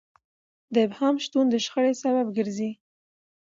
د ابهام شتون د شخړې سبب ګرځي.